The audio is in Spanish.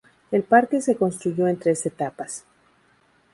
El parque se construyó en tres etapas.